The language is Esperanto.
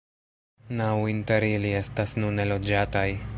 Naŭ inter ili estas nune loĝataj.